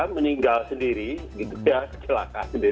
meninggal sendiri kecelakaan